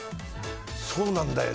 そうなんだよね。